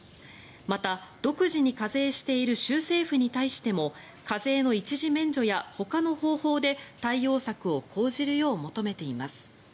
また、独自に課税している州政府に対しても課税の一時免除やほかの方法で対応策を講じるよう求めています。